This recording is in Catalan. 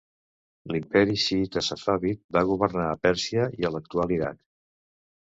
L'Imperi xiïta Safavid va governar a Pèrsia i a l'actual Iraq.